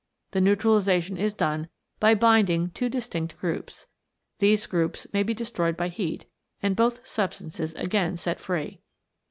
The neutralisa tion is done by binding two distinct groups. These groups may be destroyed by heat, and both sub stances again set free.